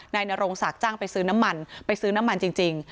นโรงศักดิ์จ้างไปซื้อน้ำมันไปซื้อน้ำมันจริง